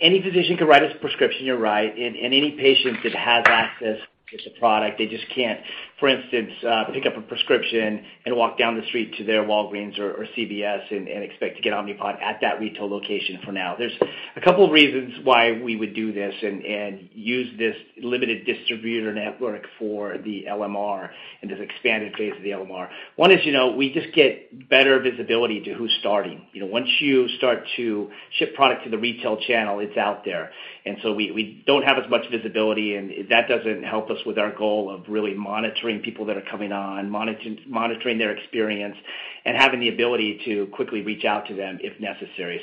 any physician can write us a prescription, you're right. Any patient that has access to the product, they just can't, for instance, pick up a prescription and walk down the street to their Walgreens or CVS and expect to get Omnipod at that retail location for now. There's a couple reasons why we would do this and use this limited distributor network for the LMR and this expanded phase of the LMR. One is, you know, we just get better visibility to who's starting. You know, once you start to ship product to the retail channel, it's out there. We don't have as much visibility, and that doesn't help us with our goal of really monitoring people that are coming on, monitoring their experience, and having the ability to quickly reach out to them if necessary.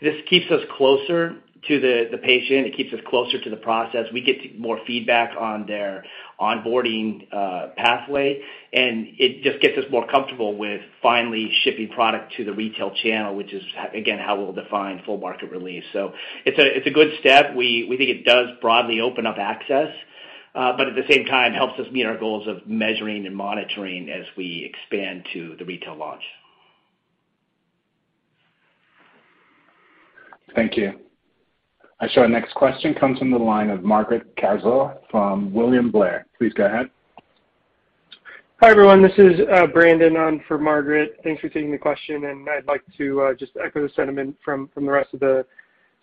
This keeps us closer to the patient. It keeps us closer to the process. We get more feedback on their onboarding pathway, and it just gets us more comfortable with finally shipping product to the retail channel, which is again, how we'll define full market release. It's a good step. We think it does broadly open up access, but at the same time helps us meet our goals of measuring and monitoring as we expand to the retail launch. Thank you. Our next question comes from the line of Margaret Kaczor from William Blair. Please go ahead. Hi, everyone. This is Brandon on for Margaret. Thanks for taking the question, and I'd like to just echo the sentiment from the rest of the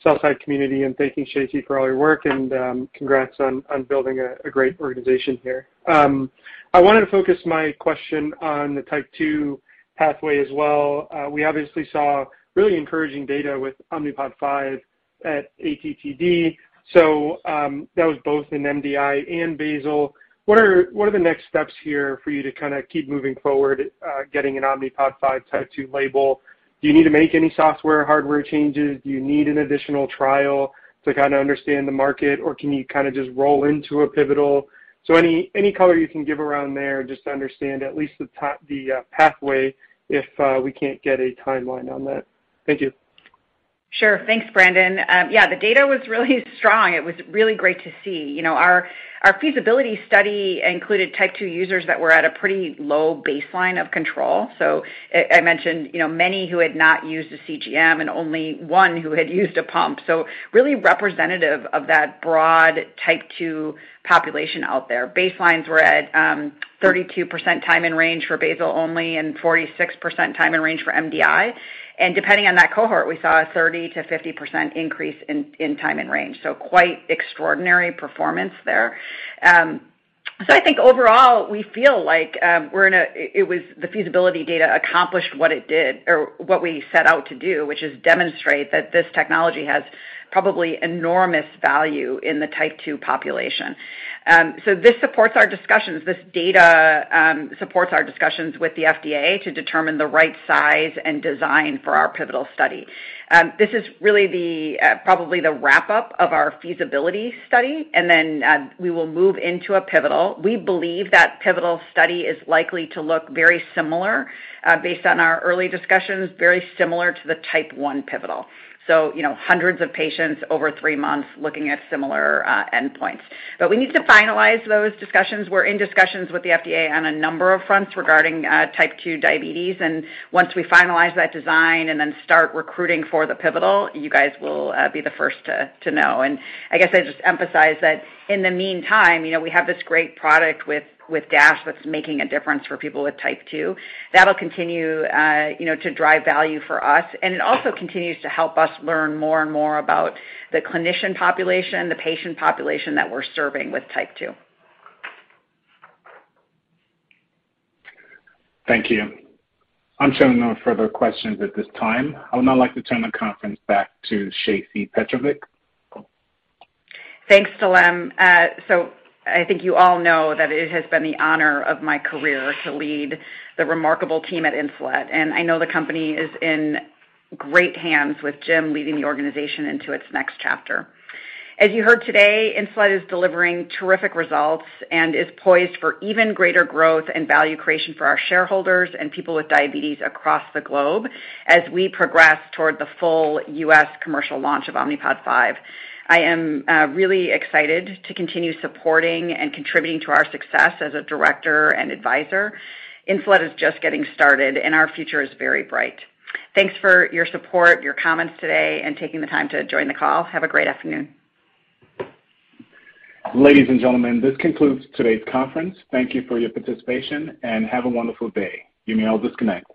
sell-side community in thanking Shacey for all your work and congrats on building a great organization here. I wanted to focus my question on the Type 2 pathway as well. We obviously saw really encouraging data with Omnipod 5 at ATTD, so that was both in MDI and basal. What are the next steps here for you to kinda keep moving forward getting an Omnipod 5 Type 2 label? Do you need to make any software or hardware changes? Do you need an additional trial to kinda understand the market, or can you kinda just roll into a pivotal? Any color you can give around there just to understand at least the pathway if we can't get a timeline on that. Thank you. Sure. Thanks, Brandon. Yeah, the data was really strong. It was really great to see. You know, our feasibility study included type 2 users that were at a pretty low baseline of control. I mentioned, you know, many who had not used a CGM and only one who had used a pump. Really representative of that broad type 2 population out there. Baselines were at 32% time in range for basal only and 46% time in range for MDI. Depending on that cohort, we saw a 30%-50% increase in time in range. Quite extraordinary performance there. I think overall, we feel like it was the feasibility data accomplished what it did or what we set out to do, which is demonstrate that this technology has probably enormous value in the type 2 population. This supports our discussions. This data supports our discussions with the FDA to determine the right size and design for our pivotal study. This is really probably the wrap-up of our feasibility study. We will move into a pivotal. We believe that pivotal study is likely to look very similar, based on our early discussions, very similar to the type 1 pivotal. You know, hundreds of patients over three months looking at similar endpoints. We need to finalize those discussions. We're in discussions with the FDA on a number of fronts regarding type 2 diabetes. Once we finalize that design and then start recruiting for the pivotal, you guys will be the first to know. I guess I just emphasize that in the meantime, you know, we have this great product with DASH that's making a difference for people with type 2. That'll continue, you know, to drive value for us. It also continues to help us learn more and more about the clinician population, the patient population that we're serving with type 2. Thank you. I'm showing no further questions at this time. I would now like to turn the conference back to Shacey Petrovic. Thanks, Delon. So I think you all know that it has been the honor of my career to lead the remarkable team at Insulet, and I know the company is in great hands with Jim leading the organization into its next chapter. As you heard today, Insulet is delivering terrific results and is poised for even greater growth and value creation for our shareholders and people with diabetes across the globe as we progress toward the full U.S commercial launch of Omnipod 5. I am really excited to continue supporting and contributing to our success as a director and advisor. Insulet is just getting started, and our future is very bright. Thanks for your support, your comments today, and taking the time to join the call. Have a great afternoon. Ladies and gentlemen, this concludes today's conference. Thank you for your participation, and have a wonderful day. You may all disconnect.